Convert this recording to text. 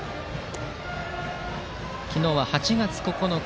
昨日は８月９日。